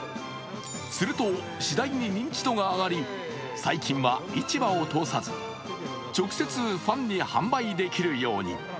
すると、次第に認知度が上がり最近は市場を通さず直接、ファンに販売できるように。